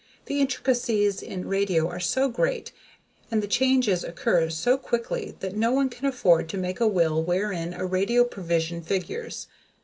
The intricacies in radio are so great, and the changes occur so quickly that no one can afford to make a will wherein a radio provision figures.